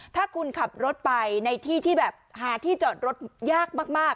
ถ้าคุณขับรถไปในที่ที่แบบหาที่จอดรถยากมาก